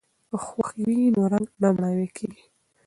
که خوښي وي نو رنګ نه مړاوی کیږي.